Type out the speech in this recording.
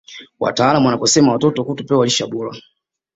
wataalamu wanasema watoto kutopewa lishe bora